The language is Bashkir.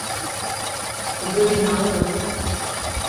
Күбеген алығыҙ